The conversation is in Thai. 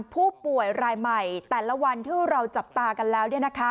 ผู้ป่วยรายใหม่แต่ละวันที่เราจับตากันแล้ว